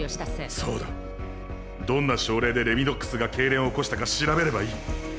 そうだどんな症例でレミドックスがけいれんを起こしたか調べればいい。